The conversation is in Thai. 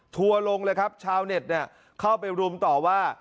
ทัวร์ลงเลยครับชาวเน็ตเนี่ยเข้าไปรุมต่อว่า